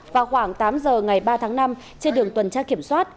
vào khoảng tám giờ ngày ba tháng năm trên đường tuần tra kiểm soát